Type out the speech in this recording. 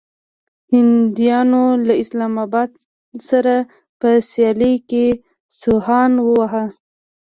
هنديانو له اسلام اباد سره په سيالۍ کې سوهان واهه.